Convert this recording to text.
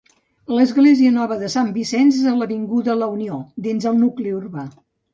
L'església nova de Sant Vicenç és a l'avinguda La Unió, dins el nucli urbà.